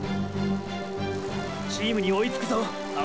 チームに追いつくぞ青八木！！